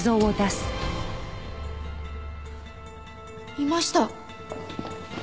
いました！